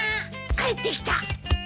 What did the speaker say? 帰ってきた！